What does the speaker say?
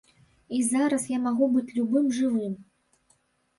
І зараз я магу быць любым жывым.